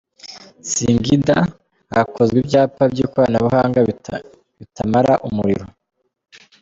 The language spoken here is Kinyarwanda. Singhgad: Hakozwe ibyapa by’ikoranabuhanga bitamara umuriro.